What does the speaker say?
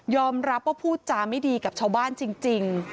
รับว่าพูดจาไม่ดีกับชาวบ้านจริง